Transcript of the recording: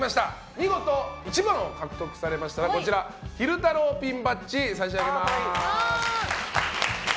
見事１番を獲得されましたら昼太郎ピンバッジ差し上げます。